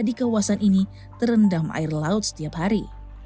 di rumah uzaima ini terendam air laut setiap hari